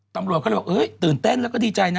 ตำรวจตื่นเต้นแล้วก็ดีใจนะ